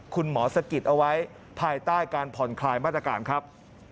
สะกิดเอาไว้ภายใต้การผ่อนคลายมาตรการครับ